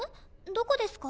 どこですか？